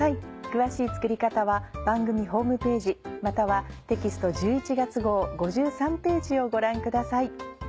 詳しい作り方は番組ホームページまたはテキスト１１月号５３ページをご覧ください。